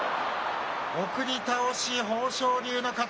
送り倒し、豊昇龍の勝ち。